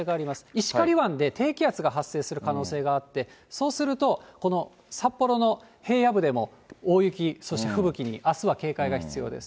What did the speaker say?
石狩湾で低気圧が発生する可能性があって、そうすると、この札幌の平野部でも大雪、そして吹雪にあすは警戒が必要です。